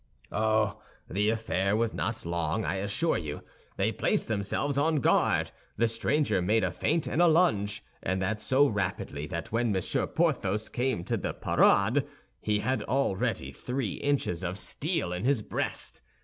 "Oh! The affair was not long, I assure you. They placed themselves on guard; the stranger made a feint and a lunge, and that so rapidly that when Monsieur Porthos came to the parade, he had already three inches of steel in his breast.